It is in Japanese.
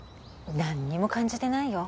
何にも感じてないよ。